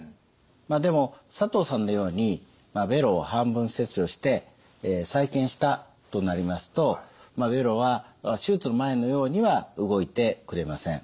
まあでも佐藤さんのようにべろを半分切除して再建したとなりますとべろは手術の前のようには動いてくれません。